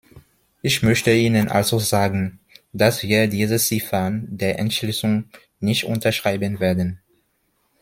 Ich möchte Ihnen also sagen, dass wir diese Ziffern der Entschließung nicht unterschreiben werden.